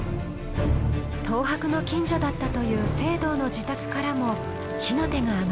東博の近所だったという惺堂の自宅からも火の手が上がります。